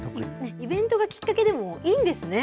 イベントがきっかけでもいいんですね。